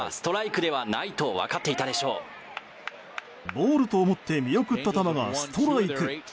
ボールと思って見送った球がストライク。